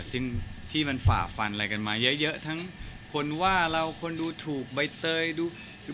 สิ่งที่มันฝ่าฟันอะไรกันมาเยอะทั้งคนว่าเราคนดูถูกใบเตยดู